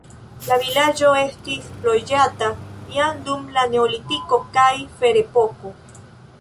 La vilaĝo estis loĝata jam dum la neolitiko kaj ferepoko.